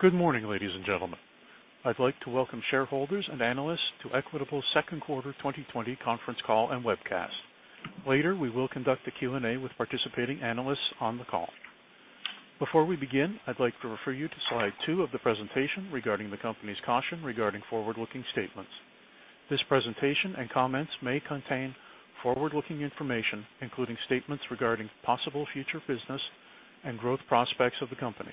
Good morning, ladies and gentlemen. I'd like to welcome shareholders and analysts to Equitable's Q2 2020 conference call and webcast. Later, we will conduct a Q&A with participating analysts on the call. Before we begin, I'd like to refer you to slide two of the presentation regarding the company's caution regarding forward-looking statements. This presentation and comments may contain forward-looking information, including statements regarding possible future business and growth prospects of the company.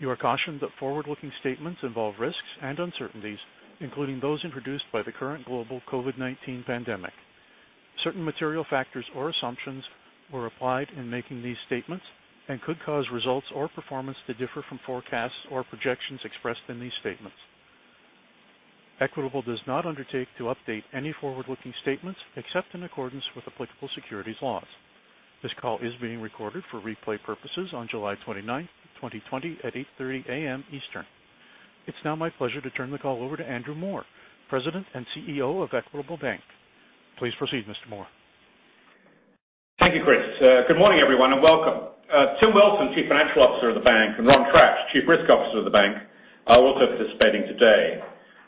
You are cautioned that forward-looking statements involve risks and uncertainties, including those introduced by the current global COVID-19 pandemic. Certain material factors or assumptions were applied in making these statements and could cause results or performance to differ from forecasts or projections expressed in these statements. Equitable does not undertake to update any forward-looking statements except in accordance with applicable securities laws. This call is being recorded for replay purposes on 29th July 2020, at 8:30A.M. Eastern. It's now my pleasure to turn the call over to Andrew Moor, President and CEO of Equitable Bank. Please proceed, Mr. Moor. Thank you, Chris. Good morning, everyone, and welcome. Tim Wilson, Chief Financial Officer of the Bank, and Ron Tratch, Chief Risk Officer of the Bank, are also participating today.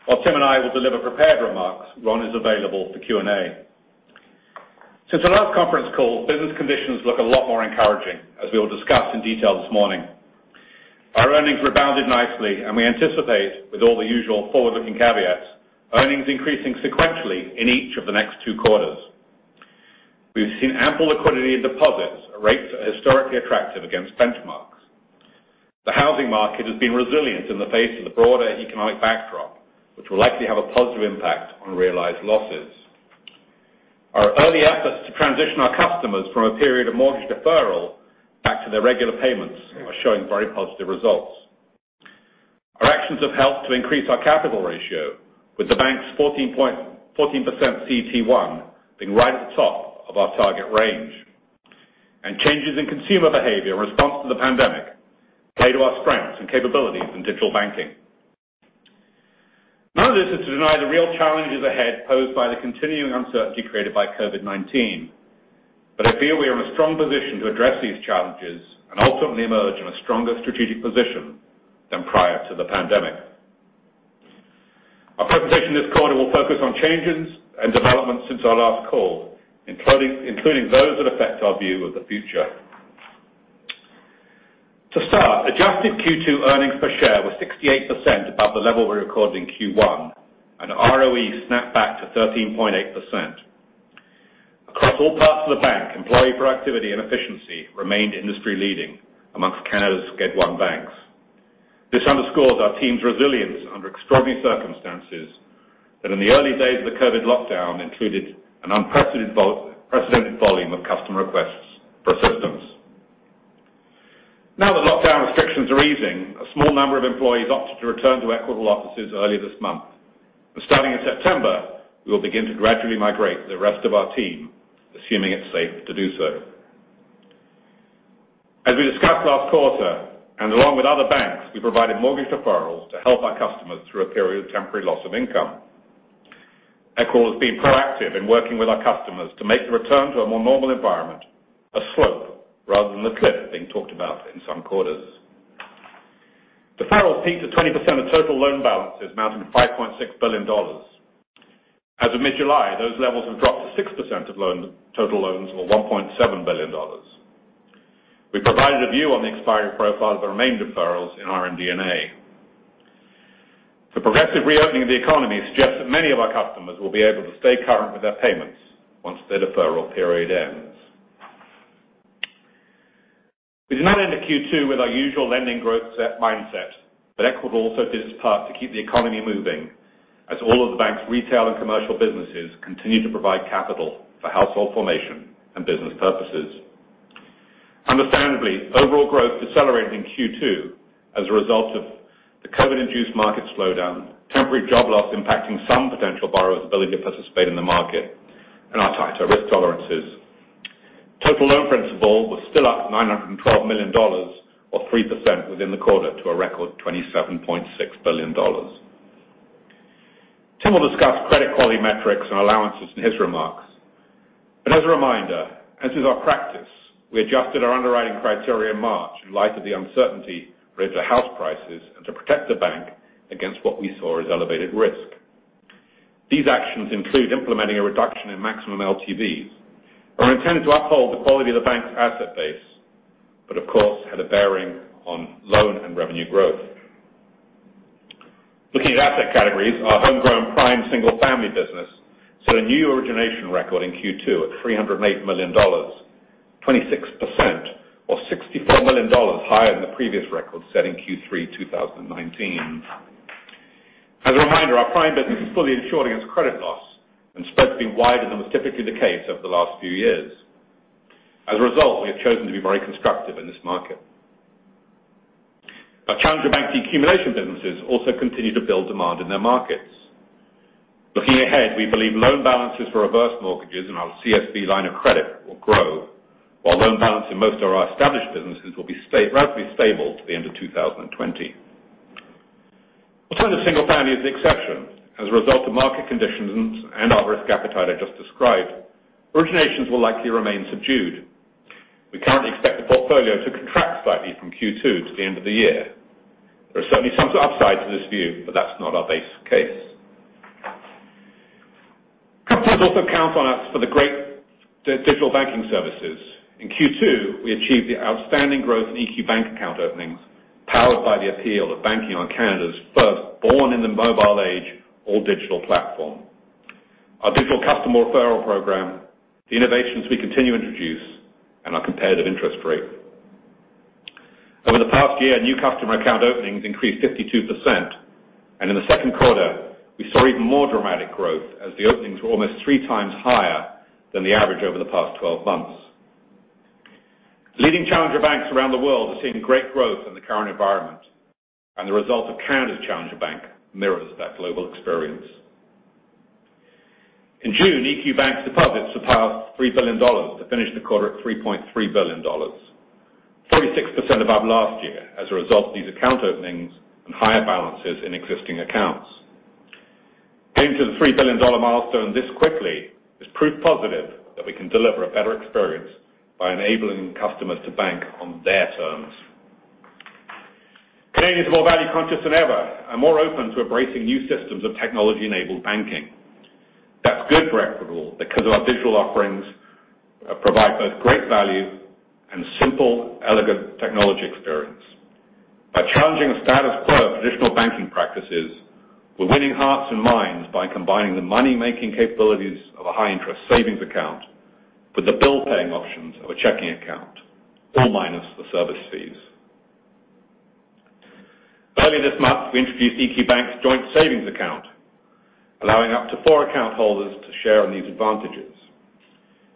While Tim and I will deliver prepared remarks, Ron is available for Q&A. Since our last conference call, business conditions look a lot more encouraging, as we will discuss in detail this morning. Our earnings rebounded nicely, and we anticipate, with all the usual forward-looking caveats, earnings increasing sequentially in each of the next two quarters. We've seen ample liquidity in deposits, at rates historically attractive against benchmarks. The housing market has been resilient in the face of the broader economic backdrop, which will likely have a positive impact on realized losses. Our early efforts to transition our customers from a period of mortgage deferral back to their regular payments are showing very positive results. Our actions have helped to increase our capital ratio, with the bank's 14% CET1 being right at the top of our target range, and changes in consumer behavior in response to the pandemic play to our strengths and capabilities in digital banking. None of this is to deny the real challenges ahead posed by the continuing uncertainty created by COVID-19, but I feel we are in a strong position to address these challenges and ultimately emerge in a stronger strategic position than prior to the pandemic. Our presentation this quarter will focus on changes and developments since our last call, including those that affect our view of the future. To start, adjusted Q2 earnings per share were 68% above the level we recorded in Q1, and ROE snapped back to 13.8%. Across all parts of the bank, employee productivity and efficiency remained industry-leading amongst Canada's Schedule I banks. This underscores our team's resilience under extraordinary circumstances that, in the early days of the COVID lockdown, included an unprecedented volume of customer requests for assistance. Now that lockdown restrictions are easing, a small number of employees opted to return to Equitable offices earlier this month. And starting in September, we will begin to gradually migrate the rest of our team, assuming it's safe to do so. As we discussed last quarter, and along with other banks, we provided mortgage deferrals to help our customers through a period of temporary loss of income. Equitable has been proactive in working with our customers to make the return to a more normal environment a slope rather than the cliff being talked about in some quarters. Deferrals peaked at 20% of total loan balances, amounting to 5.6 billion dollars. As of mid-July, those levels have dropped to 6% of total loans, or 1.7 billion dollars. We provided a view on the expiry profile of the remaining deferrals in MD&A. The progressive reopening of the economy suggests that many of our customers will be able to stay current with their payments once their deferral period ends. We did not end Q2 with our usual lending growth mindset, but Equitable also did its part to keep the economy moving, as all of the bank's retail and commercial businesses continue to provide capital for household formation and business purposes. Understandably, overall growth decelerated in Q2 as a result of the COVID-induced market slowdown, temporary job loss impacting some potential borrowers' ability to participate in the market, and our tighter risk tolerances. Total loan principal was still up 912 million dollars, or 3% within the quarter, to a record 27.6 billion dollars. Tim will discuss credit quality metrics and allowances in his remarks. But as a reminder, as is our practice, we adjusted our underwriting criteria in March in light of the uncertainty related to house prices and to protect the bank against what we saw as elevated risk. These actions include implementing a reduction in maximum LTVs. They were intended to uphold the quality of the bank's asset base, but, of course, had a bearing on loan and revenue growth. Looking at asset categories, our homegrown prime single-family business set a new origination record in Q2 at 308 million dollars, 26%, or 64 million dollars higher than the previous record set in Q3 2019. As a reminder, our prime business is fully insured against credit loss and spreads being wider than was typically the case over the last few years. As a result, we have chosen to be more constructive in this market. Our challenger bank decumulation businesses also continue to build demand in their markets. Looking ahead, we believe loan balances for reverse mortgages in our CSV Line of Credit will grow, while loan balances in most of our established businesses will be relatively stable to the end of 2020. Alternative single-family is the exception. As a result of market conditions and our risk appetite I just described, originations will likely remain subdued. We currently expect the portfolio to contract slightly from Q2 to the end of the year. There are certainly some upsides to this view, but that's not our base case. Customers also count on us for the great digital banking services. In Q2, we achieved outstanding growth in EQ Bank account openings, powered by the appeal of banking on Canada's first born-in-the-mobile-age all-digital platform: our digital customer referral program, the innovations we continue to introduce, and our competitive interest rate. Over the past year, new customer account openings increased 52%, and in the Q2, we saw even more dramatic growth as the openings were almost three times higher than the average over the past 12 months. Leading challenger banks around the world are seeing great growth in the current environment, and the result of Canada's Challenger Bank mirrors that global experience. In June, EQ Bank's deposits surpassed 3 billion dollars to finish the quarter at 3.3 billion dollars, 46% above last year as a result of these account openings and higher balances in existing accounts. Getting to the 3 billion dollar milestone this quickly is proof positive that we can deliver a better experience by enabling customers to bank on their terms. Canadians are more value conscious than ever and more open to embracing new systems of technology-enabled banking. That's good for Equitable because our digital offerings provide both great value and a simple, elegant technology experience. By challenging the status quo of traditional banking practices, we're winning hearts and minds by combining the money-making capabilities of a high-interest savings account with the bill-paying options of a chequing account, all minus the service fees. Earlier this month, we introduced EQ Bank's joint savings account, allowing up to four account holders to share in these advantages.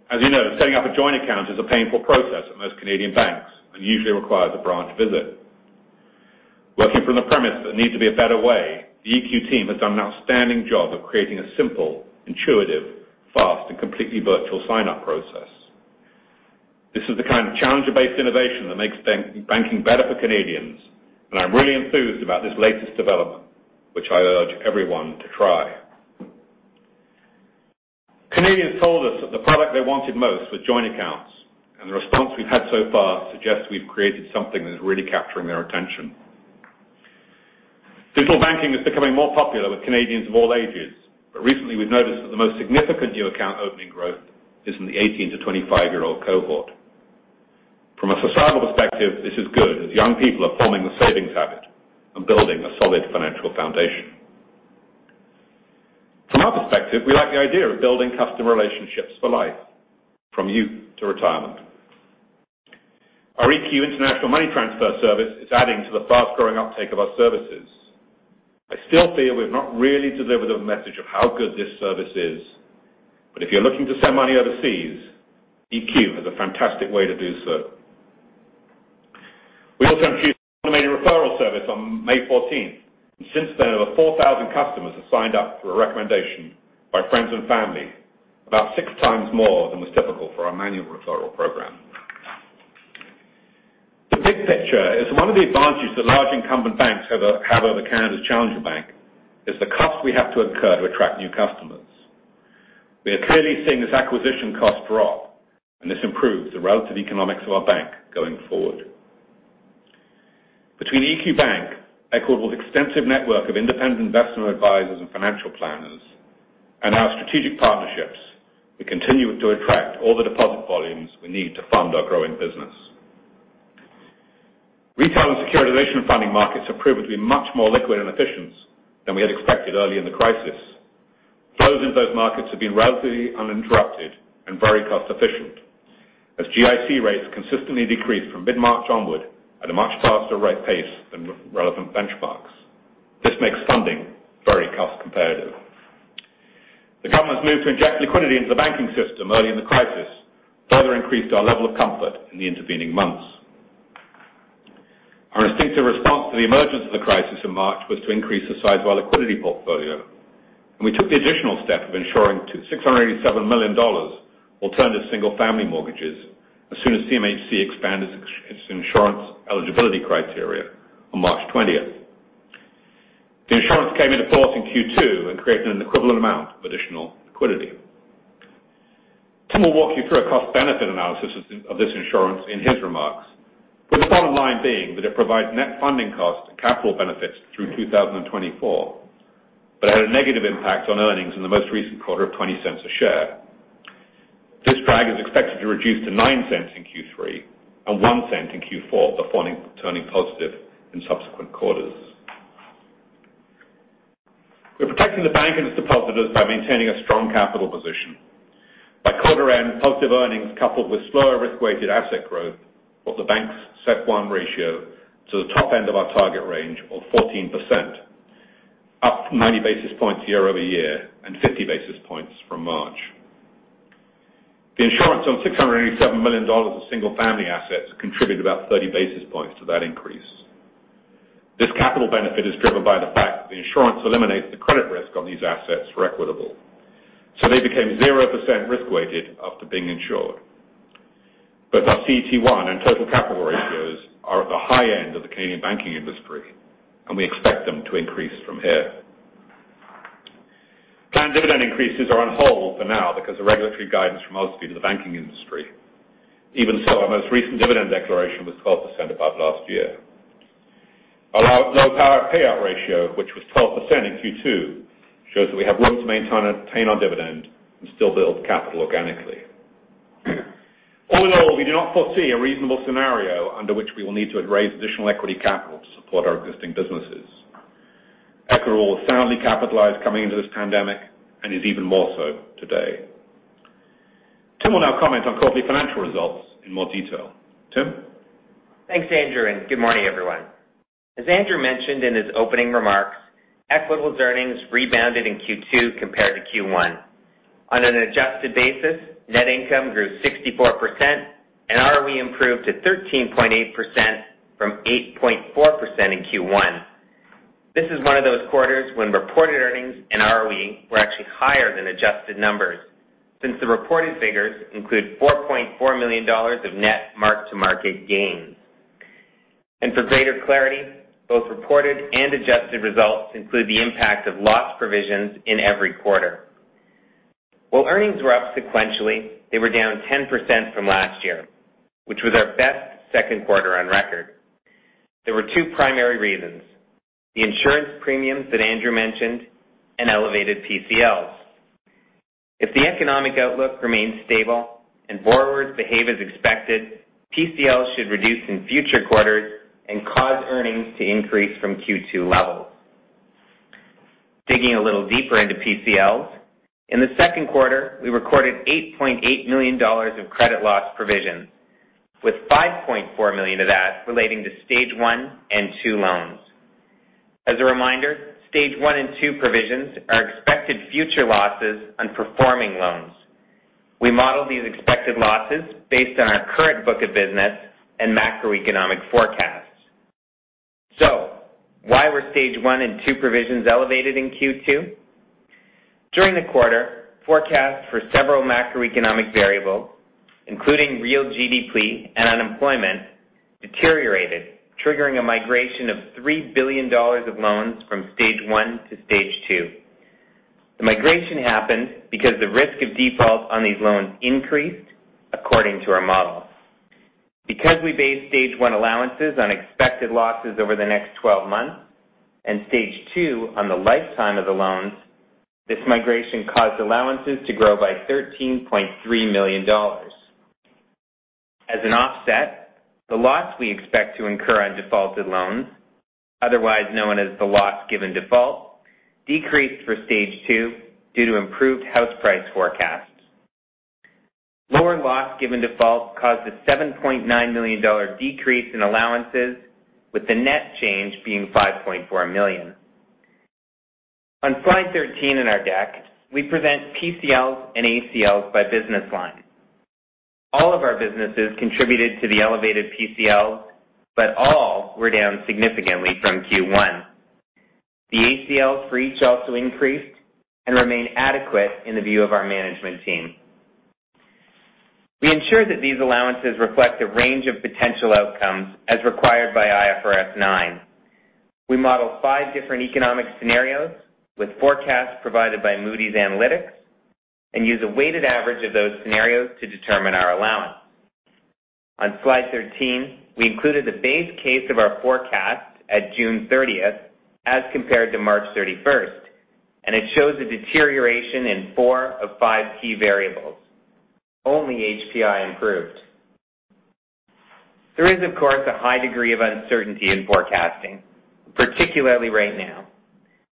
As you know, setting up a joint account is a painful process at most Canadian banks and usually requires a branch visit. Working from the premise that there needs to be a better way, the EQ team has done an outstanding job of creating a simple, intuitive, fast, and completely virtual sign-up process. This is the kind of challenger-based innovation that makes banking better for Canadians, and I'm really enthused about this latest development, which I urge everyone to try. Canadians told us that the product they wanted most was joint accounts, and the response we've had so far suggests we've created something that is really capturing their attention. Digital banking is becoming more popular with Canadians of all ages, but recently we've noticed that the most significant new account opening growth is in the 18 to 25-year-old cohort. From a societal perspective, this is good, as young people are forming the savings habit and building a solid financial foundation. From our perspective, we like the idea of building customer relationships for life, from youth to retirement. Our EQ International Money Transfer Service is adding to the fast-growing uptake of our services. I still feel we have not really delivered the message of how good this service is, but if you're looking to send money overseas, EQ has a fantastic way to do so. We also introduced an automated referral service on May 14th, and since then, over 4,000 customers have signed up through a recommendation by friends and family, about six times more than was typical for our manual referral program. The big picture is that one of the advantages that large incumbent banks have over Canada's Challenger Bank is the cost we have to incur to attract new customers. We are clearly seeing this acquisition cost drop, and this improves the relative economics of our bank going forward. Between EQ Bank, Equitable's extensive network of independent investment advisors and financial planners, and our strategic partnerships, we continue to attract all the deposit volumes we need to fund our growing business. Retail and securitization funding markets have proven to be much more liquid and efficient than we had expected early in the crisis. Flows into those markets have been relatively uninterrupted and very cost-efficient, as GIC rates consistently decreased from mid-March onward at a much faster rate pace than relevant benchmarks. This makes funding very cost-comparative. The government's move to inject liquidity into the banking system early in the crisis further increased our level of comfort in the intervening months. Our instinctive response to the emergence of the crisis in March was to increase the size of our liquidity portfolio, and we took the additional step of insuring $687 million alternative single-family mortgages as soon as CMHC expanded its insurance eligibility criteria on March 20th. The insurance came into force in Q2 and created an equivalent amount of additional liquidity. Tim will walk you through a cost-benefit analysis of this insurance in his remarks, with the bottom line being that it provides net funding costs and capital benefits through 2024, but it had a negative impact on earnings in the most recent quarter of $0.20 a share. This drag is expected to reduce to $0.09 in Q3 and $0.01 in Q4 before turning positive in subsequent quarters. We're protecting the bank and its depositors by maintaining a strong capital position. By quarter-end, positive earnings coupled with slower risk-weighted asset growth brought the bank's CET1 ratio to the top end of our target range of 14%, up 90 basis points year over year and 50 basis points from March. The insurance on $687 million of single-family assets contributed about 30 basis points to that increase. This capital benefit is driven by the fact that the insurance eliminates the credit risk on these assets for Equitable, so they became 0% risk-weighted after being insured. Both our CET1 and total capital ratios are at the high end of the Canadian banking industry, and we expect them to increase from here. Planned dividend increases are on hold for now because of regulatory guidance from OSFI to the banking industry. Even so, our most recent dividend declaration was 12% above last year. Our low payout ratio, which was 12% in Q2, shows that we have room to maintain our dividend and still build capital organically. All in all, we do not foresee a reasonable scenario under which we will need to raise additional equity capital to support our existing businesses. Equitable was soundly capitalized coming into this pandemic and is even more so today. Tim will now comment on quarterly financial results in more detail. Tim? Thanks, Andrew, and good morning, everyone. As Andrew mentioned in his opening remarks, Equitable's earnings rebounded in Q2 compared to Q1. On an adjusted basis, net income grew 64%, and ROE improved to 13.8% from 8.4% in Q1. This is one of those quarters when reported earnings and ROE were actually higher than adjusted numbers, since the reported figures include 4.4 million dollars of net mark-to-market gains. And for greater clarity, both reported and adjusted results include the impact of loss provisions in every quarter. While earnings were up sequentially, they were down 10% from last year, which was our best Q2 on record. There were two primary reasons: the insurance premiums that Andrew mentioned and elevated PCLs. If the economic outlook remains stable and borrowers behave as expected, PCLs should reduce in future quarters and cause earnings to increase from Q2 levels. Digging a little deeper into PCLs, in the Q2, we recorded 8.8 million dollars of credit loss provisions, with 5.4 million of that relating to Stage 1 and Stage 2 loans. As a reminder, Stage 1 and Stage 2 provisions are expected future losses on performing loans. We model these expected losses based on our current book of business and macroeconomic forecasts. So, why were Stage 1 and Stage 2 provisions elevated in Q2? During the quarter, forecasts for several macroeconomic variables, including real GDP and unemployment, deteriorated, triggering a migration of 3 billion dollars of loans from Stage 1 to stage two. The migration happened because the risk of default on these loans increased, according to our model. Because we based Stage 1 allowances on expected losses over the next 12 months and Stage 2 on the lifetime of the loans, this migration caused allowances to grow by 13.3 million dollars. As an offset, the loss we expect to incur on defaulted loans, otherwise known as the Loss Given Default, decreased for Stage 2 due to improved house price forecasts. Lower Loss Given Default caused a 7.9 million dollar decrease in allowances, with the net change being 5.4 million. On slide 13 in our deck, we present PCLs and ACLs by business line. All of our businesses contributed to the elevated PCLs, but all were down significantly from Q1. The ACLs for each also increased and remain adequate in the view of our management team. We ensure that these allowances reflect a range of potential outcomes as required by IFRS 9. We model different economic scenarios with forecasts provided by Moody's Analytics and use a weighted average of those scenarios to determine our allowance. On slide 13, we included the base case of our forecast at June 30th as compared to March 31st, and it shows a deterioration in four of five key variables. Only HPI improved. There is, of course, a high degree of uncertainty in forecasting, particularly right now,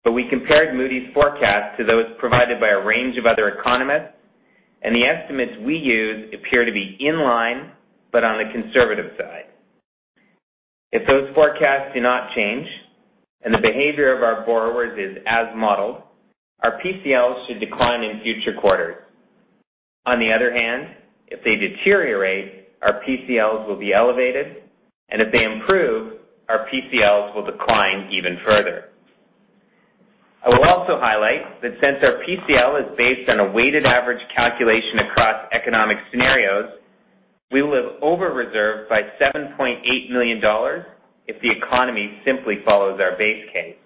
but we compared Moody's forecasts to those provided by a range of other economists, and the estimates we use appear to be in line but on the conservative side. If those forecasts do not change and the behavior of our borrowers is as modeled, our PCLs should decline in future quarters. On the other hand, if they deteriorate, our PCLs will be elevated, and if they improve, our PCLs will decline even further. I will also highlight that since our PCL is based on a weighted average calculation across economic scenarios, we will have over-reserved by 7.8 million dollars if the economy simply follows our base case.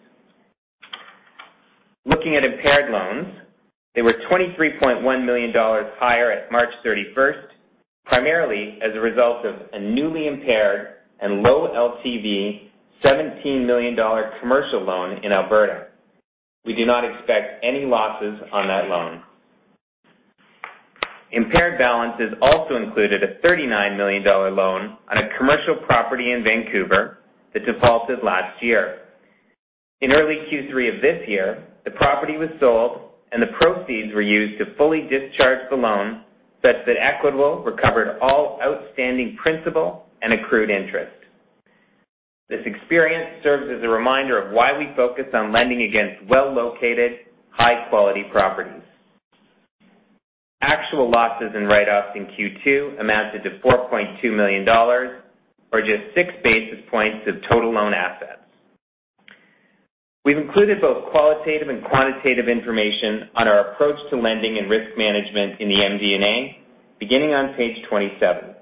Looking at impaired loans, they were 23.1 million dollars higher at March 31st, primarily as a result of a newly impaired and low LTV 17 million dollar commercial loan in Alberta. We do not expect any losses on that loan. Impaired balances also included a 39 million dollar loan on a commercial property in Vancouver that defaulted last year. In early Q3 of this year, the property was sold, and the proceeds were used to fully discharge the loan such that Equitable recovered all outstanding principal and accrued interest. This experience serves as a reminder of why we focus on lending against well-located, high-quality properties. Actual losses and write-offs in Q2 amounted to 4.2 million dollars, or just six basis points of total loan assets. We've included both qualitative and quantitative information on our approach to lending and risk management in the MD&A, beginning on page 27,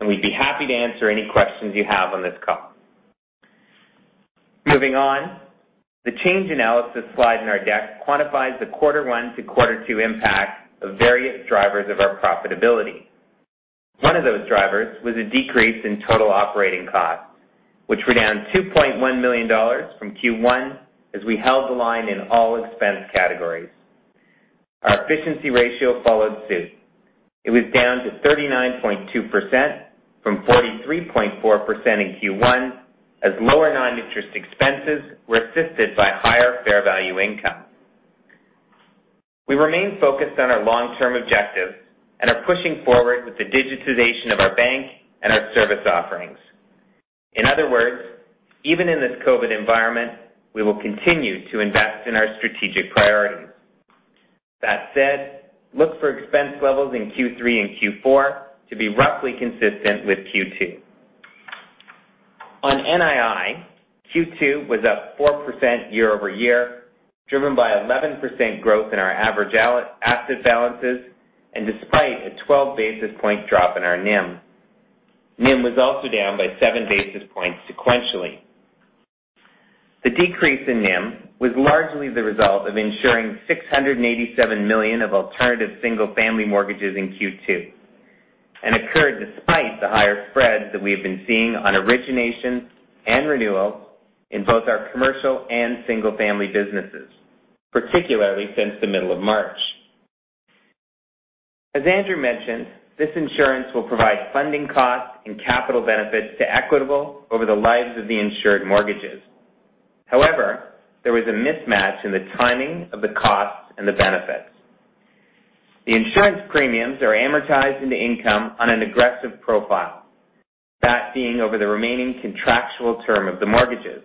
and we'd be happy to answer any questions you have on this call. Moving on, the change analysis slide in our deck quantifies the quarter one to quarter two impact of various drivers of our profitability. One of those drivers was a decrease in total operating costs, which were down 2.1 million dollars from Q1 as we held the line in all expense categories. Our efficiency ratio followed suit. It was down to 39.2% from 43.4% in Q1, as lower non-interest expenses were assisted by higher fair value income. We remain focused on our long-term objectives and are pushing forward with the digitization of our bank and our service offerings. In other words, even in this COVID environment, we will continue to invest in our strategic priorities. That said, look for expense levels in Q3 and Q4 to be roughly consistent with Q2. On NII, Q2 was up 4% year over year, driven by 11% growth in our average asset balances and despite a 12 basis point drop in our NIM. NIM was also down by 7 basis points sequentially. The decrease in NIM was largely the result of insuring 687 million of alternative single-family mortgages in Q2 and occurred despite the higher spreads that we have been seeing on originations and renewals in both our commercial and single-family businesses, particularly since the middle of March. As Andrew mentioned, this insurance will provide funding costs and capital benefits to Equitable over the lives of the insured mortgages. However, there was a mismatch in the timing of the costs and the benefits. The insurance premiums are amortized into income on an aggressive profile, that being over the remaining contractual term of the mortgages.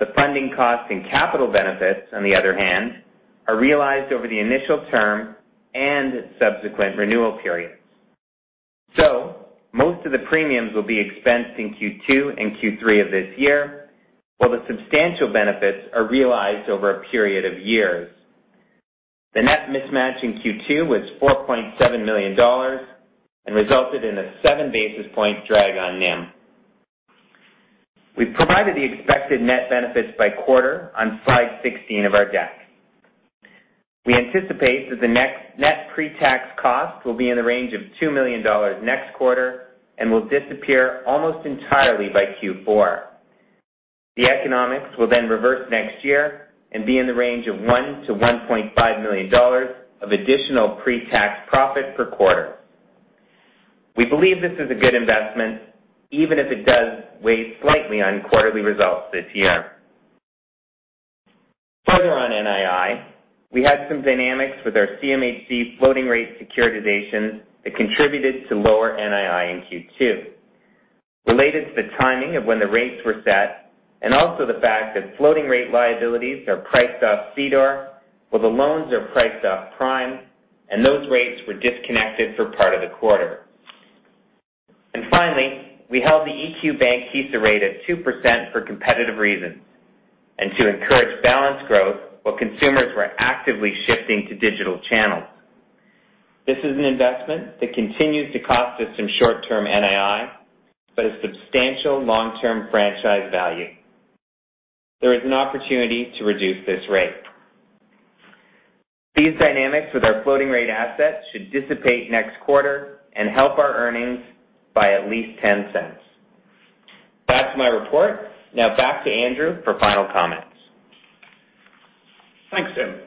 The funding costs and capital benefits, on the other hand, are realized over the initial term and subsequent renewal periods. So, most of the premiums will be expensed in Q2 and Q3 of this year, while the substantial benefits are realized over a period of years. The net mismatch in Q2 was 4.7 million dollars and resulted in a 7 basis point drag on NIM. We've provided the expected net benefits by quarter on slide 16 of our deck. We anticipate that the net pre-tax costs will be in the range of 2 million dollars next quarter and will disappear almost entirely by Q4. The economics will then reverse next year and be in the range of 1 to 1.5 million dollars of additional pre-tax profit per quarter. We believe this is a good investment, even if it does weigh slightly on quarterly results this year. Further on NII, we had some dynamics with our CMHC floating rate securitization that contributed to lower NII in Q2, related to the timing of when the rates were set and also the fact that floating rate liabilities are priced off CDOR, while the loans are priced off prime, and those rates were disconnected for part of the quarter. And finally, we held the EQ Bank HISA rate at 2% for competitive reasons and to encourage balance growth while consumers were actively shifting to digital channels. This is an investment that continues to cost us some short-term NII but a substantial long-term franchise value. There is an opportunity to reduce this rate. These dynamics with our floating rate assets should dissipate next quarter and help our earnings by at least $0.10. That's my report. Now back to Andrew for final comments. Thanks, Tim.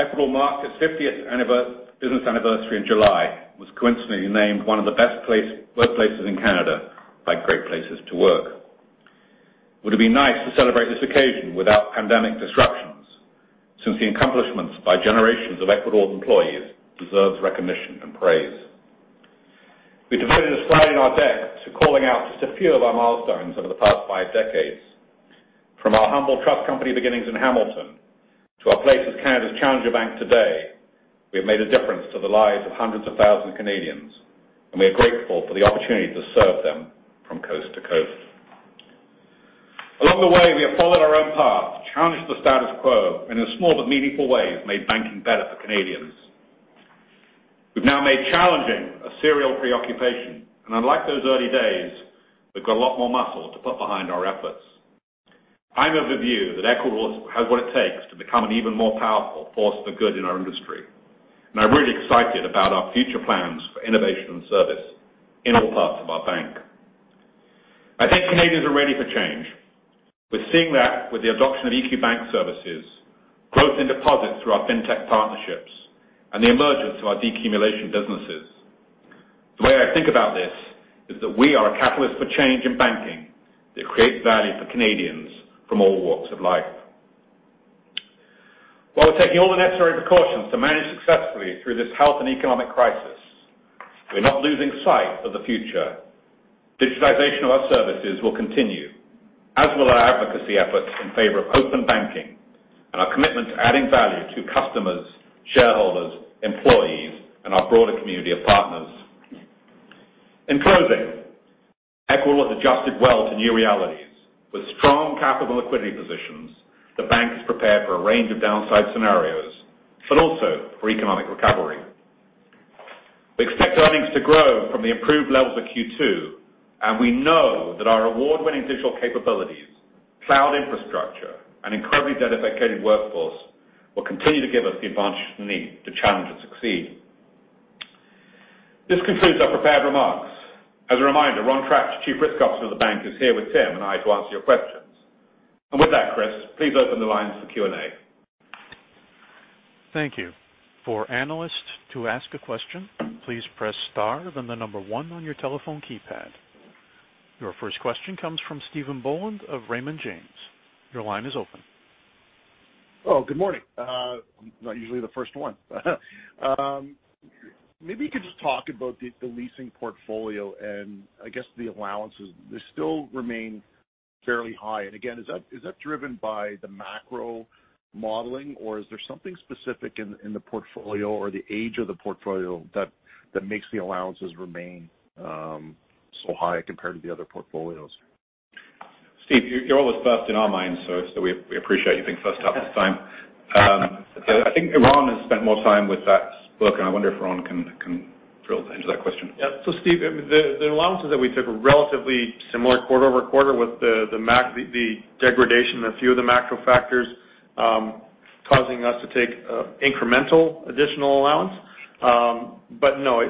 Equitable marks its 50th business anniversary in July. It was coincidentally named one of the best workplaces in Canada by Great Place to Work. Would it be nice to celebrate this occasion without pandemic disruptions, since the accomplishments by generations of Equitable employees deserve recognition and praise? We've devoted a slide in our deck to calling out just a few of our milestones over the past five decades. From our humble trust company beginnings in Hamilton to our place as Canada's Challenger Bank today, we have made a difference to the lives of hundreds of thousands of Canadians, and we are grateful for the opportunity to serve them from coast to coast. Along the way, we have followed our own path, challenged the status quo, and in small but meaningful ways made banking better for Canadians. We've now made challenging a serial preoccupation, and unlike those early days, we've got a lot more muscle to put behind our efforts. I'm of the view that Equitable has what it takes to become an even more powerful force for good in our industry, and I'm really excited about our future plans for innovation and service in all parts of our bank. I think Canadians are ready for change. We're seeing that with the adoption of EQ Bank services, growth in deposits through our fintech partnerships, and the emergence of our decumulation businesses. The way I think about this is that we are a catalyst for change in banking that creates value for Canadians from all walks of life. While we're taking all the necessary precautions to manage successfully through this health and economic crisis, we're not losing sight of the future. Digitization of our services will continue, as will our advocacy efforts in favor of open banking and our commitment to adding value to customers, shareholders, employees, and our broader community of partners. In closing, Equitable has adjusted well to new realities. With strong capital and liquidity positions, the bank is prepared for a range of downside scenarios, but also for economic recovery. We expect earnings to grow from the improved levels of Q2, and we know that our award-winning digital capabilities, cloud infrastructure, and incredibly dedicated workforce will continue to give us the advantage we need to challenge and succeed. This concludes our prepared remarks. As a reminder, Ron Tratch, Chief Risk Officer of the bank, is here with Tim and I to answer your questions. And with that, Chris, please open the lines for Q&A. Thank you. For analysts to ask a question, please press star, then the number one on your telephone keypad. Your first question comes from Stephen Boland of Raymond James. Your line is open. Oh, good morning. I'm not usually the first one. Maybe you could just talk about the leasing portfolio and, I guess, the allowances. They still remain fairly high. Again, is that driven by the macro modeling, or is there something specific in the portfolio or the age of the portfolio that makes the allowances remain so high compared to the other portfolios? Steve, you're always first in our minds, so we appreciate you being first up this time. I think Ron has spent more time with that book, and I wonder if Ron can answer that question. Yeah. So Steve, the allowances that we took were relatively similar quarter over quarter with the degradation of a few of the macro factors causing us to take incremental additional allowance. But no,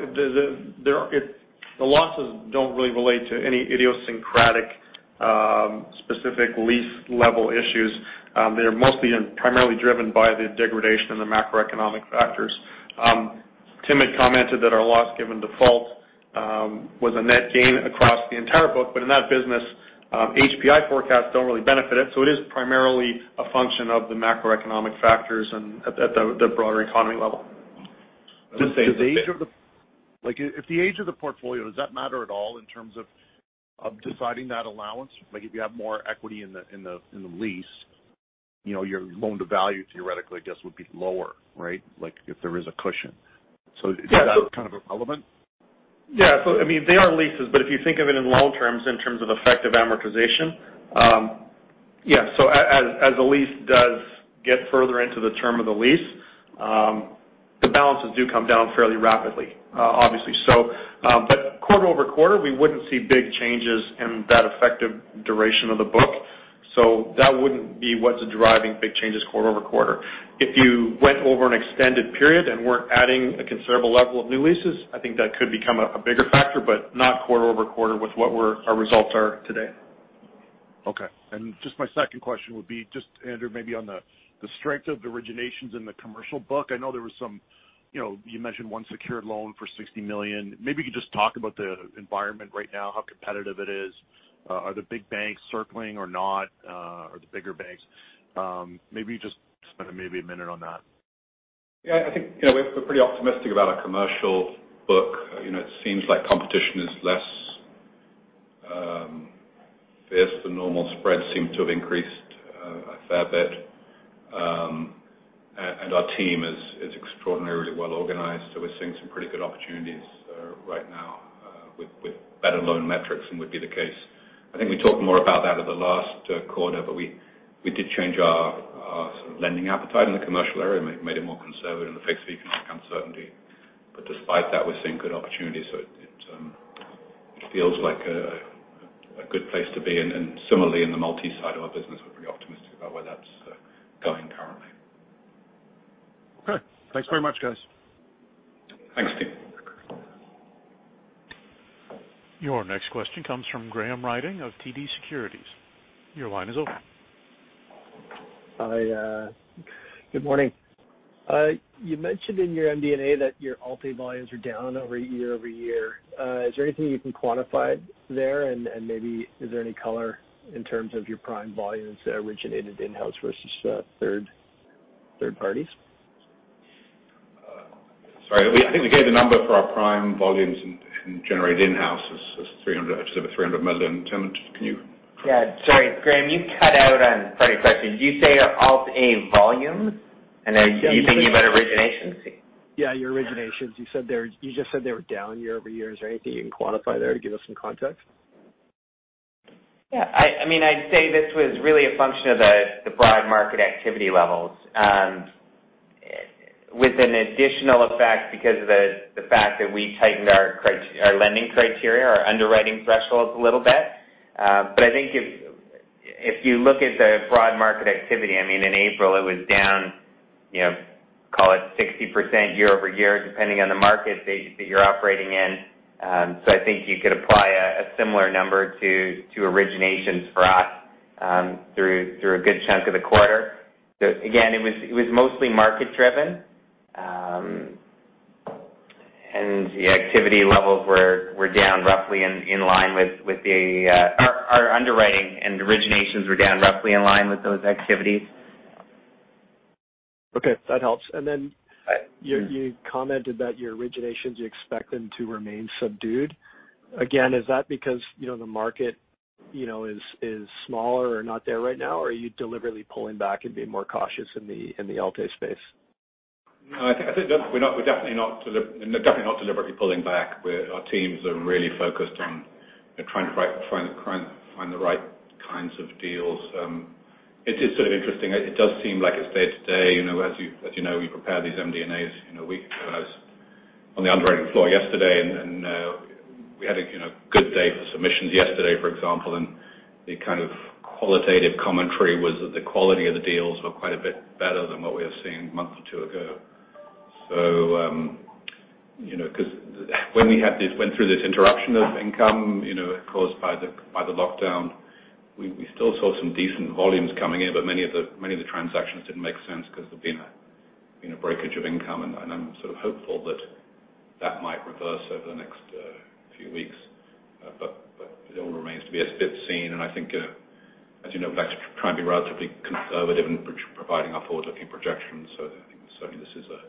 the losses don't really relate to any idiosyncratic specific lease-level issues. They're mostly and primarily driven by the degradation and the macroeconomic factors. Tim had commented that our loss given default was a net gain across the entire book, but in that business, HPI forecasts don't really benefit it, so it is primarily a function of the macroeconomic factors at the broader economy level. Does the age of the portfolio, if the age of the portfolio, does that matter at all in terms of deciding that allowance? If you have more equity in the lease, your loan-to-value, theoretically, I guess, would be lower, right, if there is a cushion? So is that kind of relevant? Yeah. So I mean, they are leases, but if you think of it in long terms in terms of effective amortization, yeah. So as a lease does get further into the term of the lease, the balances do come down fairly rapidly, obviously. But quarter over quarter, we wouldn't see big changes in that effective duration of the book. So that wouldn't be what's driving big changes quarter over quarter. If you went over an extended period and weren't adding a considerable level of new leases, I think that could become a bigger factor, but not quarter over quarter with what our results are today. Okay. And just my second question would be, just, Andrew, maybe on the strength of originations in the commercial book. I know there was some; you mentioned one secured loan for 60 million. Maybe you could just talk about the environment right now, how competitive it is. Are the big banks circling or not, or the bigger banks? Maybe just spend maybe a minute on that. Yeah. I think we're pretty optimistic about our commercial book. It seems like competition is less fierce. The normal spreads seem to have increased a fair bit, and our team is extraordinarily well organized, so we're seeing some pretty good opportunities right now with better loan metrics than would be the case. I think we talked more about that at the last quarter, but we did change our lending appetite in the commercial area and made it more conservative in the face of economic uncertainty. But despite that, we're seeing good opportunities, so it feels like a good place to be, and similarly, in the multi-unit side of our business, we're pretty optimistic about where that's going currently. Okay. Thanks very much, guys. Thanks, Steve. Your next question comes from Graham Ryding of TD Securities. Your line is open. Hi. Good morning. You mentioned in your MD&A that your Alt-A volumes are down year over year. Is there anything you can quantify there, and maybe is there any color in terms of your prime volumes that originated in-house versus third parties? Sorry. I think we gave the number for our prime volumes originated in-house is actually about 300 million. Tim, can you? Yeah. Sorry. Graham, you cut out on part of your question. Did you say Alt-A volumes, and are you thinking about originations? Yeah. Your originations. You just said they were down year over year. Is there anything you can quantify there to give us some context? Yeah. I mean, I'd say this was really a function of the broad market activity levels with an additional effect because of the fact that we tightened our lending criteria, our underwriting thresholds a little bit. But I think if you look at the broad market activity, I mean, in April, it was down, call it 60% year over year, depending on the market that you're operating in. So I think you could apply a similar number to originations for us through a good chunk of the quarter. Again, it was mostly market-driven, and the activity levels were down roughly in line with our underwriting and originations were down roughly in line with those activities. Okay. That helps. And then you commented that your originations, you expect them to remain subdued. Again, is that because the market is smaller or not there right now, or are you deliberately pulling back and being more cautious in the Alt-A space? No. I think we're definitely not deliberately pulling back. Our teams are really focused on trying to find the right kinds of deals. It is sort of interesting. It does seem like it's day to day. As you know, we prepare these MD&As. I was on the underwriting floor yesterday, and we had a good day for submissions yesterday, for example, and the kind of qualitative commentary was that the quality of the deals were quite a bit better than what we had seen a month or two ago. So because when we went through this interruption of income caused by the lockdown, we still saw some decent volumes coming in, but many of the transactions didn't make sense because there'd been a breakage of income. And I'm sort of hopeful that that might reverse over the next few weeks, but it all remains to be seen. And I think, as you know, we like to try and be relatively conservative in providing our forward-looking projections, so I think certainly this is a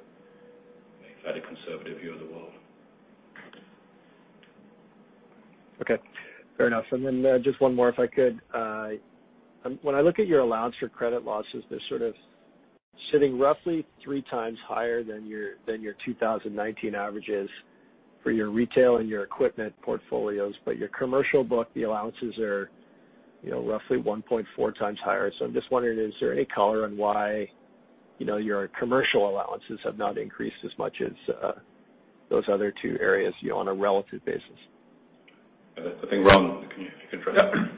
fairly conservative view of the world. Okay. Fair enough. And then just one more, if I could. When I look at your allowance for credit losses, they're sort of sitting roughly three times higher than your 2019 averages for your retail and your equipment portfolios, but your commercial book, the allowances are roughly 1.4 times higher. So I'm just wondering, is there any color on why your commercial allowances have not increased as much as those other two areas on a relative basis? I think, Ron, if you can address that.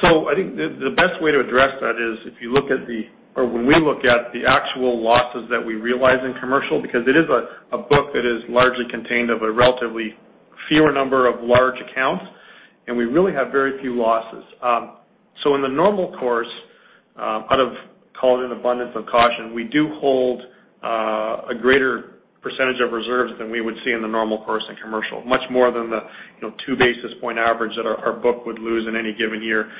I think the best way to address that is if you look at the—or when we look at the actual losses that we realize in commercial, because it is a book that is largely contained of a relatively fewer number of large accounts, and we really have very few losses. In the normal course, out of, call it, an abundance of caution, we do hold a greater percentage of reserves than we would see in the normal course in commercial, much more than the two basis point average that our book would lose in any given year.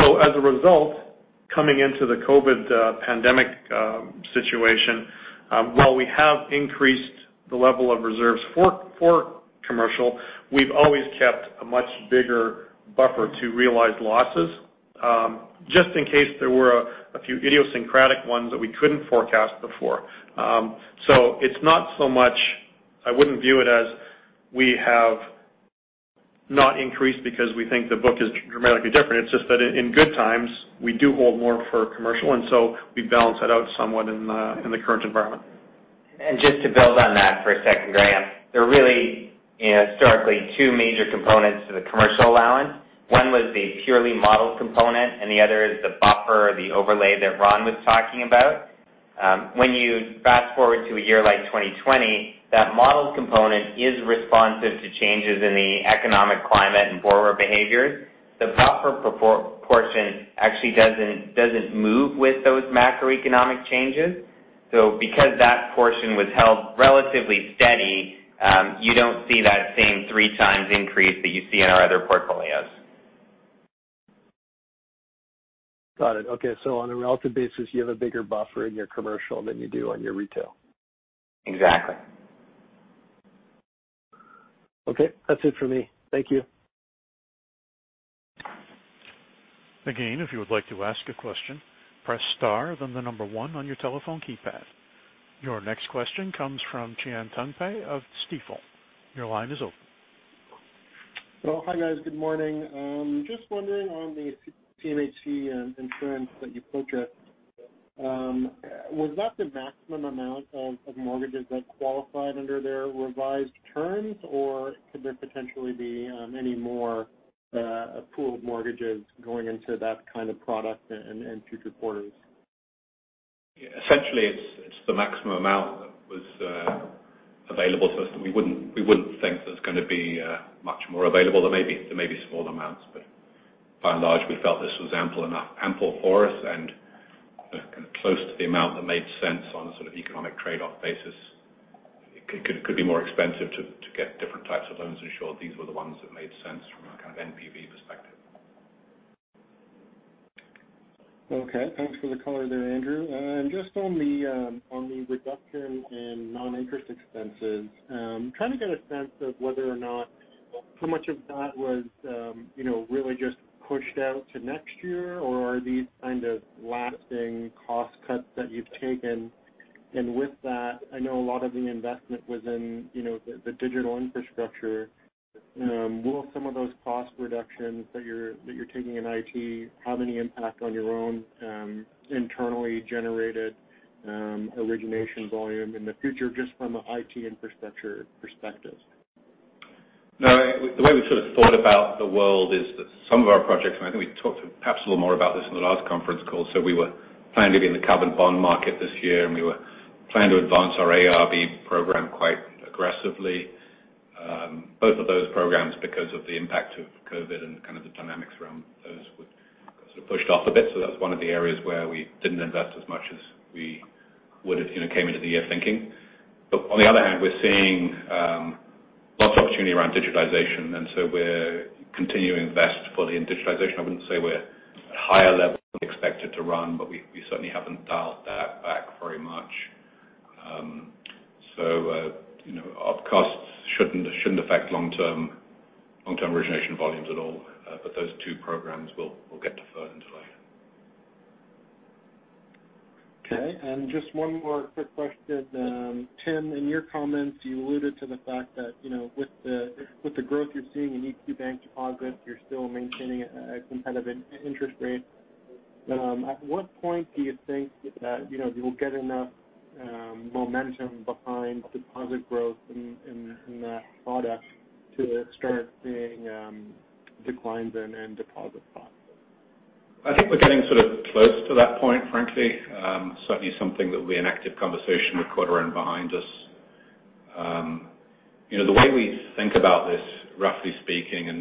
As a result, coming into the COVID pandemic situation, while we have increased the level of reserves for commercial, we've always kept a much bigger buffer to realize losses, just in case there were a few idiosyncratic ones that we couldn't forecast before. So it's not so much, I wouldn't view it as we have not increased because we think the book is dramatically different. It's just that in good times, we do hold more for commercial, and so we balance that out somewhat in the current environment. And just to build on that for a second, Graham, there are really historically two major components to the commercial allowance. One was the purely model component, and the other is the buffer or the overlay that Ron was talking about. When you fast forward to a year like 2020, that model component is responsive to changes in the economic climate and borrower behaviors. The buffer portion actually doesn't move with those macroeconomic changes. So because that portion was held relatively steady, you don't see that same three-times increase that you see in our other portfolios. Got it. Okay. So on a relative basis, you have a bigger buffer in your commercial than you do on your retail? Exactly. Okay. That's it for me. Thank you. Again, if you would like to ask a question, press star, then the number one on your telephone keypad. Your next question comes from Cihan Tuncay of Stifel. Your line is open. Well, hi guys. Good morning. Just wondering on the CMHC insurance that you purchased, was that the maximum amount of mortgages that qualified under their revised terms, or could there potentially be any more pooled mortgages going into that kind of product in future quarters? Essentially, it's the maximum amount that was available to us that we wouldn't think that's going to be much more available. There may be smaller amounts, but by and large, we felt this was ample for us and kind of close to the amount that made sense on a sort of economic trade-off basis. It could be more expensive to get different types of loans. I'm sure these were the ones that made sense from a kind of NPV perspective. Okay. Thanks for the color there, Andrew. And just on the reduction in non-interest expenses, I'm trying to get a sense of whether or not how much of that was really just pushed out to next year, or are these kind of lasting cost cuts that you've taken? And with that, I know a lot of the investment was in the digital infrastructure. Will some of those cost reductions that you're taking in IT have any impact on your own internally generated origination volume in the future, just from an IT infrastructure perspective? No. The way we sort of thought about the world is that some of our projects, and I think we talked perhaps a little more about this in the last conference call, so we were planning to be in the covered bond market this year, and we were planning to advance our AIRB program quite aggressively. Both of those programs, because of the impact of COVID and kind of the dynamics around those, were sort of pushed off a bit. So that's one of the areas where we didn't invest as much as we would have came into the year thinking. But on the other hand, we're seeing lots of opportunity around digitization, and so we're continuing to invest fully in digitization. I wouldn't say we're at a higher level than we expected to run, but we certainly haven't dialed that back very much. So our costs shouldn't affect long-term origination volumes at all, but those two programs will get deferred until later. Okay. And just one more quick question. Tim, in your comments, you alluded to the fact that with the growth you're seeing in EQ Bank deposits, you're still maintaining a competitive interest rate. At what point do you think that you will get enough momentum behind deposit growth in that product to start seeing declines in deposit costs? I think we're getting sort of close to that point, frankly. Certainly something that will be an active conversation with Mahima and behind us. The way we think about this, roughly speaking, and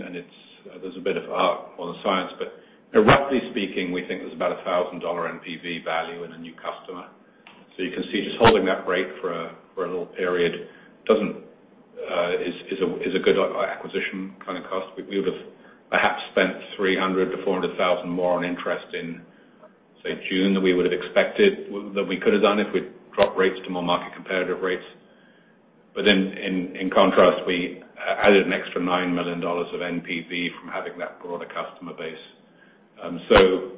there's a bit of art on the science, but roughly speaking, we think there's about 1,000 dollar NPV value in a new customer. So you can see just holding that rate for a little period is a good acquisition kind of cost. We would have perhaps spent 300,000-400,000 more on interest in, say, June than we would have expected that we could have done if we'd dropped rates to more market-competitive rates. But then in contrast, we added an extra 9 million dollars of NPV from having that broader customer base. So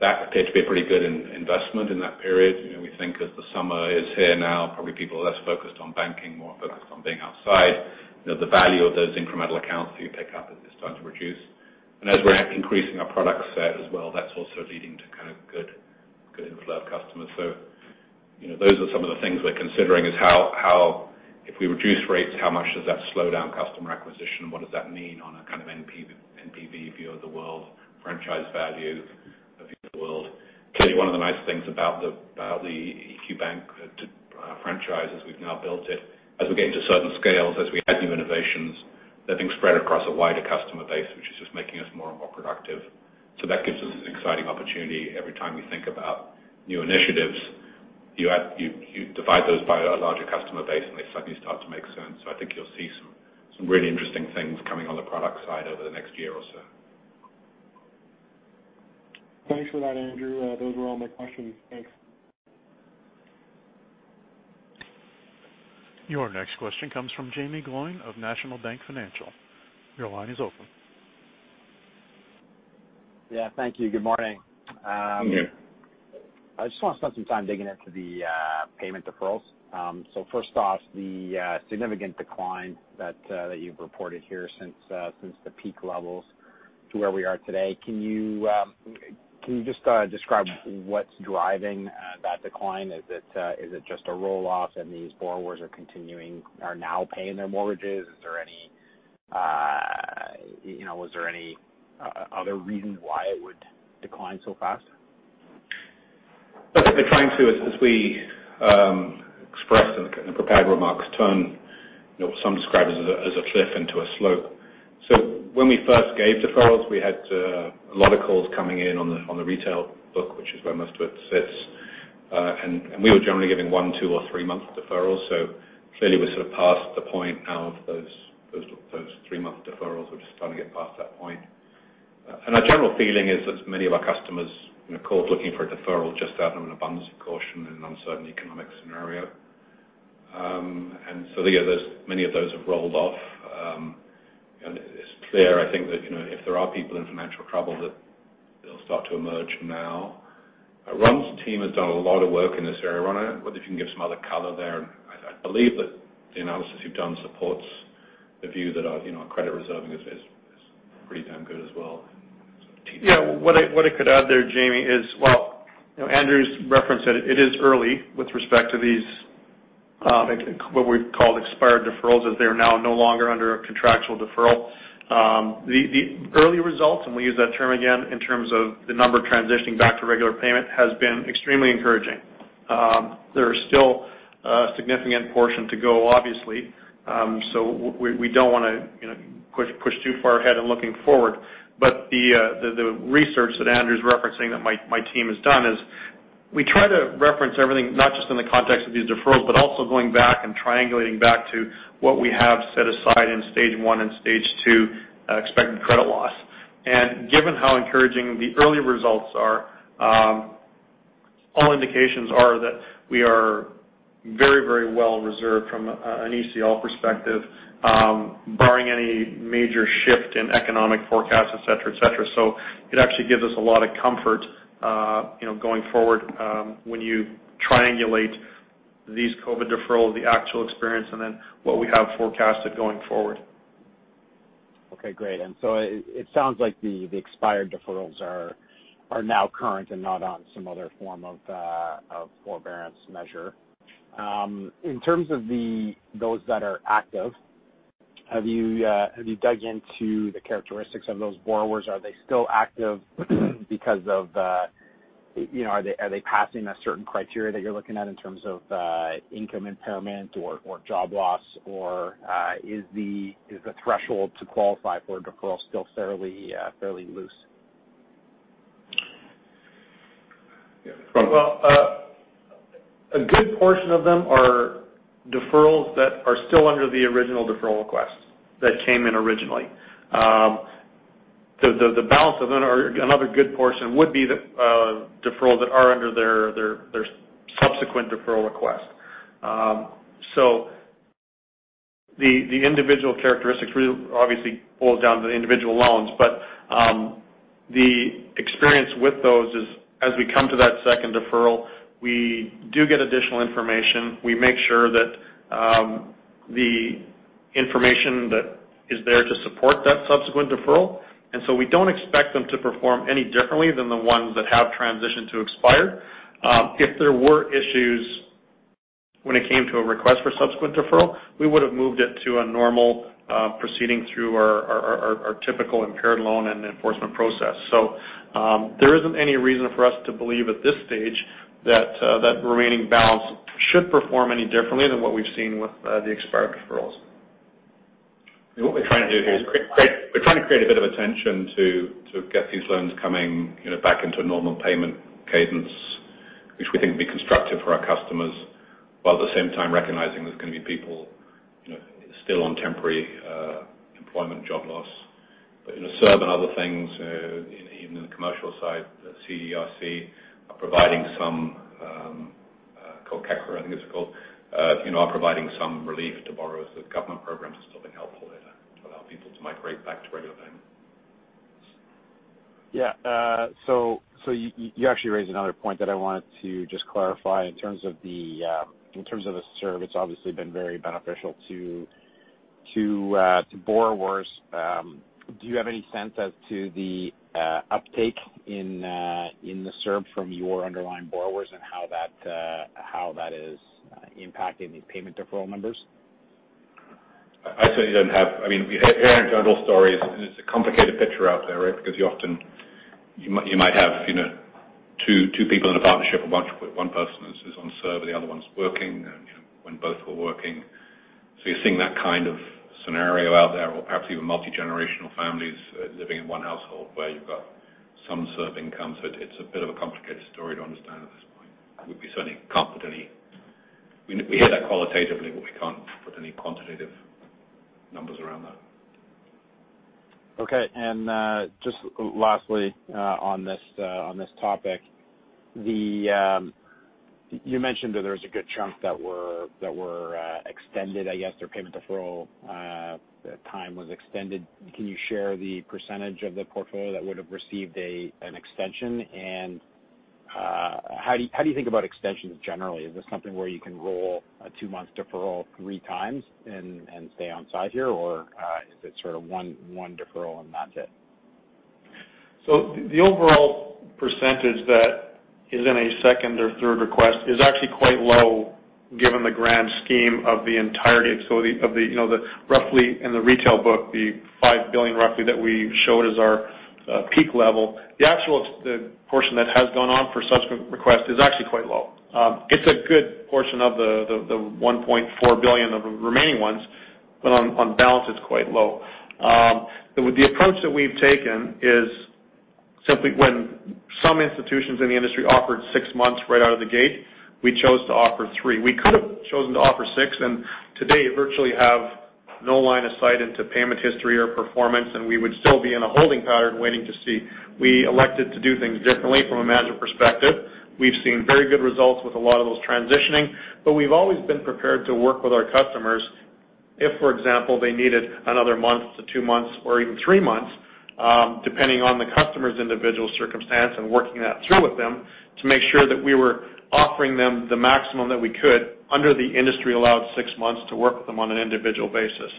that appeared to be a pretty good investment in that period. We think as the summer is here now, probably people are less focused on banking, more focused on being outside. The value of those incremental accounts that you pick up is starting to reduce. And as we're increasing our product set as well, that's also leading to kind of good inflow of customers. So those are some of the things we're considering, is how if we reduce rates, how much does that slow down customer acquisition? What does that mean on a kind of NPV view of the world, franchise value of the world? Clearly, one of the nice things about the EQ Bank franchise is we've now built it. As we get into certain scales, as we add new innovations, they're being spread across a wider customer base, which is just making us more and more productive. So that gives us an exciting opportunity. Every time we think about new initiatives, you divide those by a larger customer base, and they suddenly start to make sense. So I think you'll see some really interesting things coming on the product side over the next year or so. Thanks for that, Andrew. Those were all my questions. Thanks. Your next question comes from Jamie Gloyn of National Bank Financial. Your line is open. Yeah. Thank you. Good morning. I just want to spend some time digging into the payment deferrals. So first off, the significant decline that you've reported here since the peak levels to where we are today, can you just describe what's driving that decline? Is it just a roll-off and these borrowers are continuing or now paying their mortgages? Is there any—was there any other reason why it would decline so fast? I think they're trying to, as we expressed in the prepared remarks, turn what some describe as a cliff into a slope. When we first gave deferrals, we had a lot of calls coming in on the retail book, which is where most of it sits. We were generally giving one, two, or three-month deferrals. Clearly, we're sort of past the point now of those three-month deferrals. We're just starting to get past that point. Our general feeling is that many of our customers called looking for a deferral just out of an abundance of caution in an uncertain economic scenario. Many of those have rolled off. It's clear, I think, that if there are people in financial trouble, that they'll start to emerge now. Ron's team has done a lot of work in this area. Ron, whether you can give some other color there, I believe that the analysis you've done supports the view that our credit reserving is pretty damn good as well. Yeah. What I could add there, Jamie, is, well, Andrew's referenced that it is early with respect to what we call expired deferrals, as they are now no longer under a contractual deferral. The early results, and we use that term again in terms of the number transitioning back to regular payment, has been extremely encouraging. There is still a significant portion to go, obviously. So we don't want to push too far ahead in looking forward. But the research that Andrew's referencing that my team has done is we try to reference everything, not just in the context of these deferrals, but also going back and triangulating back to what we have set aside in Stage 1 and Stage 2 expected credit loss. Given how encouraging the early results are, all indications are that we are very, very well reserved from an ECL perspective, barring any major shift in economic forecasts, etc., etc. It actually gives us a lot of comfort going forward when you triangulate these COVID deferrals, the actual experience, and then what we have forecasted going forward. Okay. Great. It sounds like the expired deferrals are now current and not on some other form of forbearance measure. In terms of those that are active, have you dug into the characteristics of those borrowers? Are they still active because of, are they passing a certain criteria that you're looking at in terms of income impairment or job loss? Or is the threshold to qualify for a deferral still fairly loose? A good portion of them are deferrals that are still under the original deferral request that came in originally. The balance of another good portion would be deferrals that are under their subsequent deferral request. The individual characteristics obviously boils down to the individual loans. The experience with those is, as we come to that second deferral, we do get additional information. We make sure that the information that is there to support that subsequent deferral. We don't expect them to perform any differently than the ones that have transitioned to expired. If there were issues when it came to a request for subsequent deferral, we would have moved it to a normal proceeding through our typical impaired loan and enforcement process. So there isn't any reason for us to believe at this stage that that remaining balance should perform any differently than what we've seen with the expired deferrals. What we're trying to do here is we're trying to create a bit of attention to get these loans coming back into a normal payment cadence, which we think would be constructive for our customers, while at the same time recognizing there's going to be people still on temporary employment, job loss. But in a certain other things, even in the commercial side, CERB are providing some called CECRA, I think it's called, are providing some relief to borrowers. The government programs are still being helpful there to allow people to migrate back to regular payment. Yeah. So you actually raised another point that I wanted to just clarify. In terms of the CERB, it's obviously been very beneficial to borrowers. Do you have any sense as to the uptake in the CERB from your underlying borrowers and how that is impacting the payment deferral numbers? I certainly don't have, I mean, here in general, stories, and it's a complicated picture out there, right? Because you often might have two people in a partnership. One person is on CERB, and the other one's working when both were working. So you're seeing that kind of scenario out there, or perhaps even multi-generational families living in one household where you've got some CERB income. So it's a bit of a complicated story to understand at this point. We certainly can't put any, we hear that qualitatively, but we can't put any quantitative numbers around that. Okay. And just lastly on this topic, you mentioned that there was a good chunk that were extended, I guess, their payment deferral time was extended. Can you share the percentage of the portfolio that would have received an extension? And how do you think about extensions generally? Is this something where you can roll a two-month deferral three times and stay on side here, or is it sort of one deferral and that's it? So the overall percentage that is in a second or third request is actually quite low given the grand scheme of the entirety of the roughly in the retail book, the $5 billion roughly that we showed as our peak level. The actual portion that has gone on for subsequent request is actually quite low. It's a good portion of the $1.4 billion of the remaining ones, but on balance, it's quite low. The approach that we've taken is simply when some institutions in the industry offered six months right out of the gate, we chose to offer three. We could have chosen to offer six, and today virtually have no line of sight into payment history or performance, and we would still be in a holding pattern waiting to see. We elected to do things differently from a management perspective. We've seen very good results with a lot of those transitioning, but we've always been prepared to work with our customers if, for example, they needed another month to two months or even three months, depending on the customer's individual circumstance and working that through with them to make sure that we were offering them the maximum that we could under the industry allowed six months to work with them on an individual basis.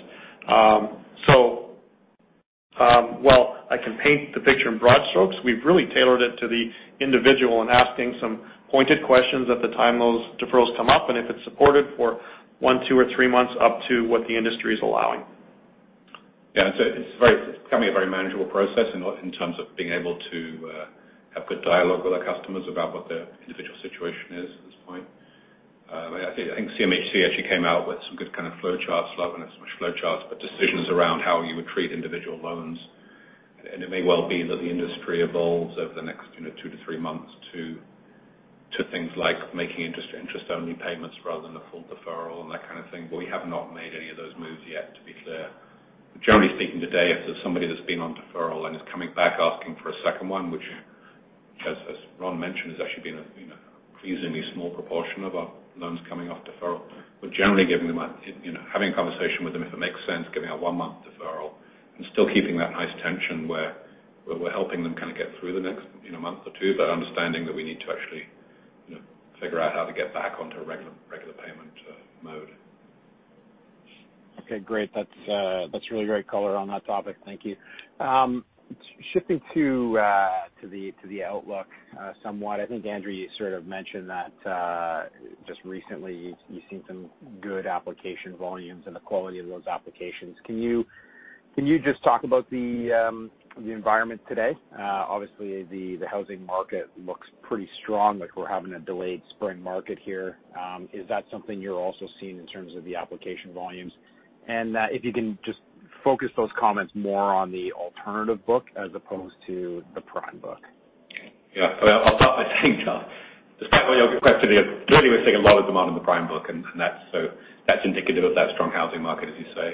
I can paint the picture in broad strokes. We've really tailored it to the individual and asking some pointed questions at the time those deferrals come up and if it's supported for one, two, or three months up to what the industry is allowing. Yeah. It's coming a very manageable process in terms of being able to have good dialogue with our customers about what their individual situation is at this point. I think CMHC actually came out with some good kind of flow charts. Well, I don't have so much flow charts, but decisions around how you would treat individual loans. And it may well be that the industry evolves over the next two to three months to things like making interest-only payments rather than a full deferral and that kind of thing. But we have not made any of those moves yet, to be clear. Generally speaking today, if there's somebody that's been on deferral and is coming back asking for a second one, which, as Ron mentioned, has actually been a reasonably small proportion of our loans coming off deferral, we're generally having a conversation with them if it makes sense, giving a one-month deferral, and still keeping that nice tension where we're helping them kind of get through the next month or two, but understanding that we need to actually figure out how to get back onto a regular payment mode. Okay. Great. That's really great color on that topic. Thank you. Shifting to the outlook somewhat, I think Andrew, you sort of mentioned that just recently you've seen some good application volumes and the quality of those applications. Can you just talk about the environment today? Obviously, the housing market looks pretty strong. We're having a delayed spring market here. Is that something you're also seeing in terms of the application volumes? And if you can just focus those comments more on the alternative book as opposed to the prime book. Yeah. Well, I'll start by saying that despite what you're requesting here, clearly we're seeing a lot of demand in the prime book, and that's indicative of that strong housing market, as you say.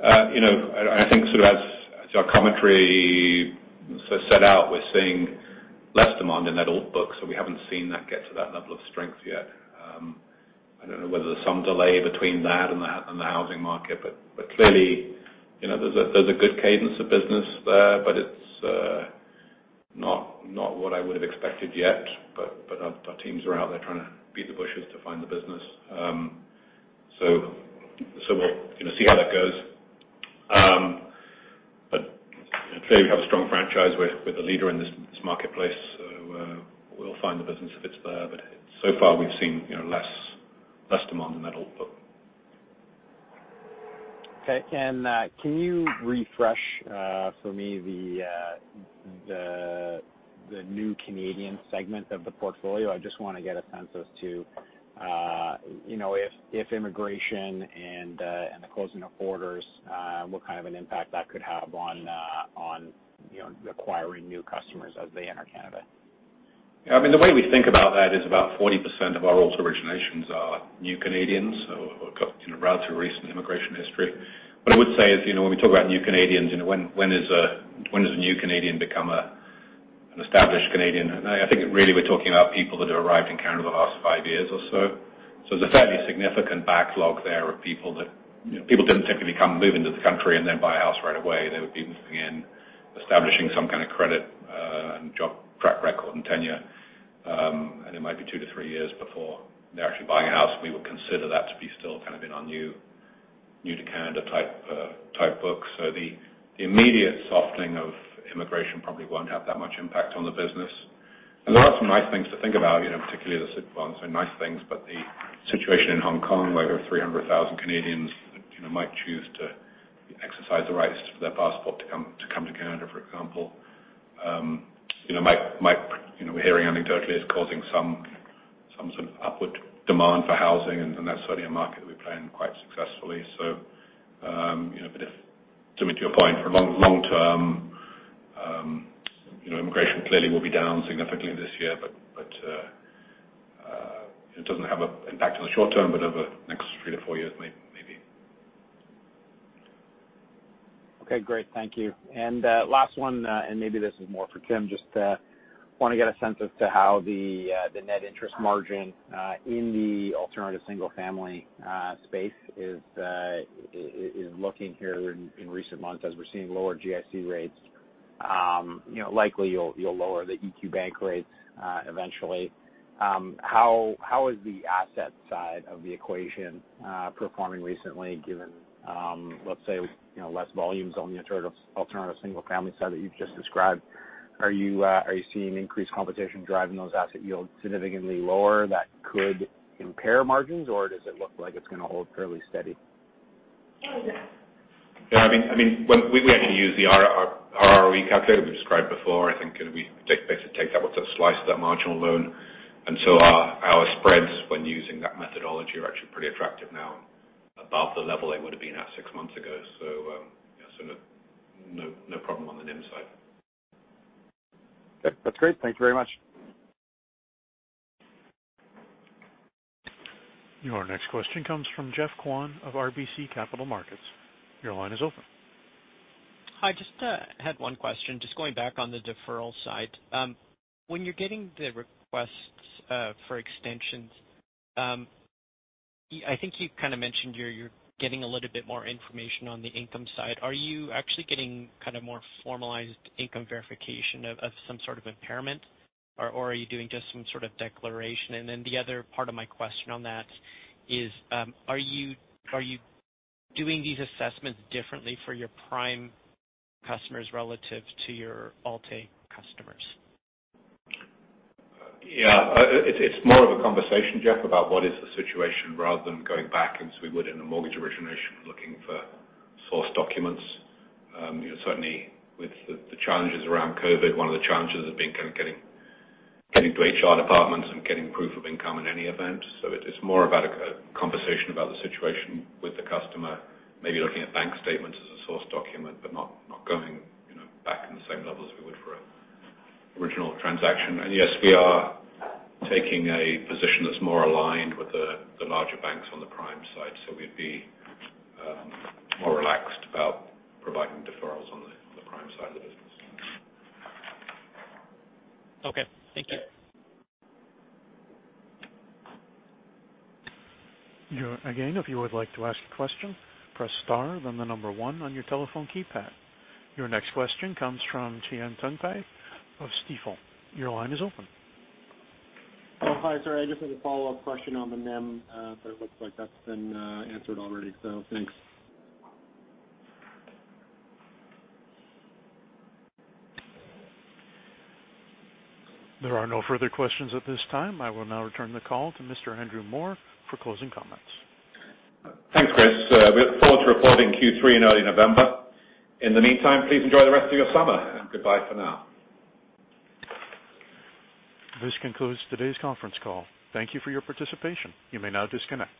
And I think sort of as our commentary set out, we're seeing less demand in that Alt book, so we haven't seen that get to that level of strength yet. I don't know whether there's some delay between that and the housing market, but clearly there's a good cadence of business there, but it's not what I would have expected yet. But our teams are out there trying to beat the bushes to find the business. So we'll see how that goes. But clearly we have a strong franchise. We're the leader in this marketplace, so we'll find the business if it's there. But so far, we've seen less demand in that Alt book. Okay. And can you refresh for me the new Canadian segment of the portfolio? I just want to get a sense as to if immigration and the closing of borders, what kind of an impact that could have on acquiring new customers as they enter Canada. Yeah. I mean, the way we think about that is about 40% of our Alt originations are new Canadians, so relatively recent immigration history. What I would say is when we talk about new Canadians, when does a new Canadian become an established Canadian? And I think really we're talking about people that have arrived in Canada the last five years or so. There's a fairly significant backlog there of people that didn't typically come moving to the country and then buy a house right away. They would be moving in, establishing some kind of credit and job track record and tenure, and it might be two to three years before they're actually buying a house. We would consider that to be still kind of a newcomer to Canada type book. The immediate softening of immigration probably won't have that much impact on the business. There are some nice things to think about, particularly the challenger banks. They're nice things, but the situation in Hong Kong, where over 300,000 Canadians might choose to exercise the rights to their passport to come to Canada, for example, might, we're hearing anecdotally, is causing some sort of upward demand for housing, and that's certainly a market that we play in quite successfully. So, but to your point, for long term, immigration clearly will be down significantly this year, but it doesn't have an impact in the short term, but over the next three to four years, maybe. Okay. Great. Thank you. And last one, and maybe this is more for Tim, just want to get a sense as to how the net interest margin in the alternative single-family space is looking here in recent months as we're seeing lower GIC rates. Likely, you'll lower the EQ Bank rates eventually. How is the asset side of the equation performing recently given, let's say, less volumes on the alternative single-family side that you've just described? Are you seeing increased competition driving those asset yields significantly lower that could impair margins, or does it look like it's going to hold fairly steady? Yeah. I mean, we actually use the ROE calculator we described before. I think we basically take that. What's a slice of that marginal loan, and so our spreads when using that methodology are actually pretty attractive now above the level they would have been at six months ago, so no problem on the NIM side. Okay. That's great. Thank you very much. Your next question comes from Geoff Kwan of RBC Capital Markets. Your line is open. Hi. Just had one question. Just going back on the deferral side, when you're getting the requests for extensions, I think you kind of mentioned you're getting a little bit more information on the income side. Are you actually getting kind of more formalized income verification of some sort of impairment, or are you doing just some sort of declaration? Then the other part of my question on that is, are you doing these assessments differently for your prime customers relative to your Alt-A customers? Yeah. It's more of a conversation, Geoff, about what is the situation rather than going back as we would in a mortgage origination looking for source documents. Certainly, with the challenges around COVID, one of the challenges has been kind of getting to HR departments and getting proof of income in any event. It's more about a conversation about the situation with the customer, maybe looking at bank statements as a source document, but not going back on the same level as we would for an original transaction. Yes, we are taking a position that's more aligned with the larger banks on the prime side. We'd be more relaxed about providing deferrals on the prime side of the business. Okay. Thank you. Again, if you would like to ask a question, press star, then one on your telephone keypad. Your next question comes from Cihan Tuncay of Stifel. Your line is open. Hi, sorry. I just had a follow-up question on the NIM, but it looks like that's been answered already, so thanks. There are no further questions at this time. I will now return the call to Mr. Andrew Moor for closing comments. Thanks, Chris. We'll look forward to reporting Q3 and early November. In the meantime, please enjoy the rest of your summer and goodbye for now. This concludes today's conference call. Thank you for your participation. You may now disconnect.